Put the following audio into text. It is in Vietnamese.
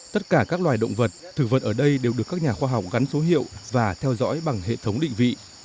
tất cả các loài động vật thực vật ở đây đều được các nhà khoa học gắn số hiệu và theo dõi bằng hệ thống định vị